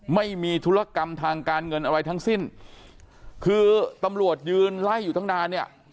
ไม่มีธุรกรรมทางการเงินอะไรทั้งสิ้นคือตำรวจยืนไล่อยู่ตั้งนานเนี่ย